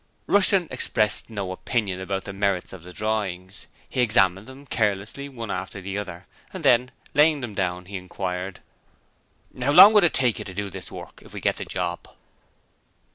Rushton expressed no opinion about the merits of the drawings. He examined them carelessly one after the other, and then, laying them down, he inquired: 'How long would it take you to do this work if we get the job?'